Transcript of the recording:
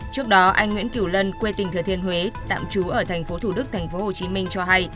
trước đó anh nguyễn kiểu lân quê tình thừa thiên huế tạm trú ở thành phố thủ đức thành phố hồ chí minh cho hay